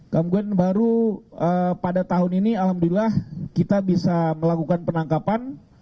kemudian baru pada tahun ini alhamdulillah kita bisa melakukan penangkapan